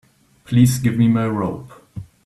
Please give me my robe.